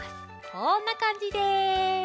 こんなかんじです。